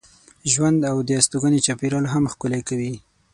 ژوند او د استوګنې چاپېریال هم ښکلی کوي.